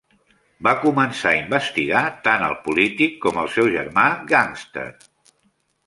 Va començar a investigar tant el polític com el seu germà gàngster.